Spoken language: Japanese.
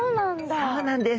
そうなんです。